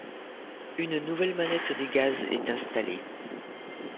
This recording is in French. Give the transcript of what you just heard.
Une nouvelle manette des gaz est installée.